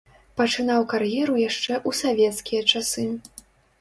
Пачынаў кар'еру яшчэ ў савецкія часы.